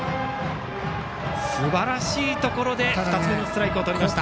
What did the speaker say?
すばらしいところで２つ目のストライクをとりました。